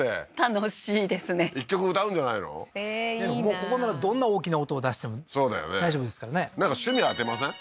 ここならどんな大きな音を出しても大丈夫ですからねなんか趣味当てません？